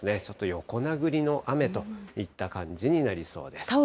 ちょっと横殴りの雨といった感じになりそうです。